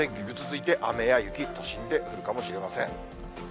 ぐずついて雨や雪、都心で降るかもしれません。